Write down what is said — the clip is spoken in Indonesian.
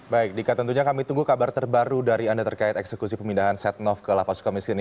baik dika tentunya kami tunggu kabar terbaru dari anda terkait eksekusi pemindahan setia novanto ke lapasuka miskin